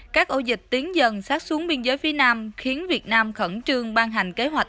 các ổ dịch tiến dần sát xuống biên giới phía nam khiến việt nam khẩn trương ban hành kế hoạch